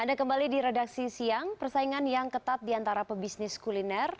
anda kembali di redaksi siang persaingan yang ketat di antara pebisnis kuliner